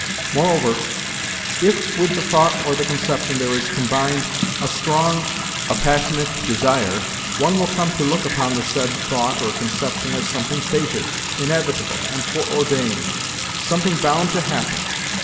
Moreover, if with the thought or the conception there is combined a strong, a passionate, desire, one will come to look upon the said thought or conception as something fated, inevitable, and foreordained—something bound to happen.